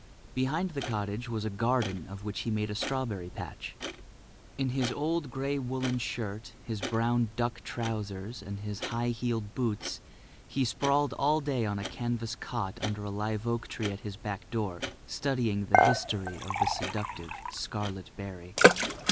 Behind the cottage was a garden of which he made a strawberry patch. In his old grey woolen shirt, his brown duck trousers, and high heeled boots he sprawled all day on a canvas cot under a live oak tree at his back door studying the history of the seductive, scarlet berry.